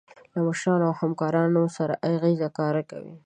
له مشرانو او همکارانو سره اغیزمن کار کوئ.